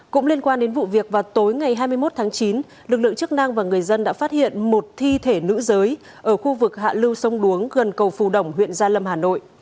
cũng liên quan đến vụ việc vào tối ngày hai mươi một tháng chín lực lượng chức năng và người dân đã phát hiện một thi thể nữ giới ở khu vực hạ lưu sông đuống gần cầu phù đồng huyện gia lâm hà nội